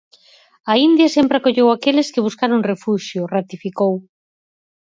A India sempre acolleu aqueles que buscaron refuxio, ratificou.